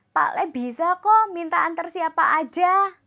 pak le bisa kok minta antar siapa aja